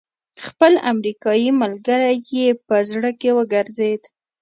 خپل امريکايي ملګری يې په زړه کې وګرځېد.